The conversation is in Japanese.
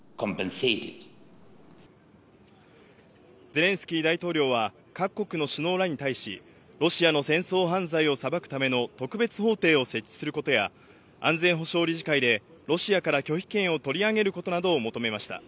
ゼレンスキー大統領は各国の首脳らに対し、ロシアの戦争犯罪を裁くための特別法廷を設置することや、安全保障理事会でロシアから拒否権を取り上げることなどを求めました。